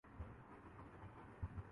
مجھے اپنے نظریہ پر کامل بھروسہ ہے